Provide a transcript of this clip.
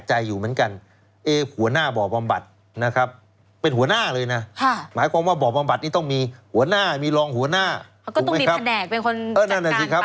ล่าสุดก็มีหัวหน้าบ่อบอำบัดโรงงานนี้คือนายปริชาร์ก็ไปมอบตัวแล้วกัน